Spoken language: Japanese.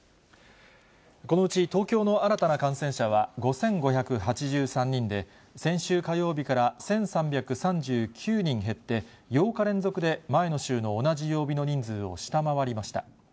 このうち、東京の新たな感染者は５５８３人で、先週火曜日から１３３９人減って、８日連続で前の週の同じ曜日の人数を下回りました。